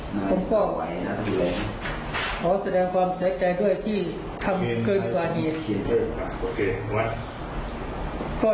ผมขอขอแสดงความเสียใจด้วยที่ทำเกินประโยชน์